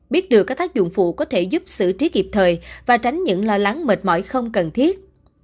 biết được các tác dụng phụ có thể giúp xử trí kịp thời và tránh những lo lắng mệt mỏi không cần thiết